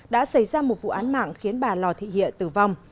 đã xảy ra một vụ án mạng khiến bà lò thị hịa tử vong